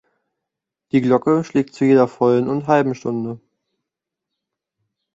Die Glocke schlägt zu jeder vollen und halben Stunde.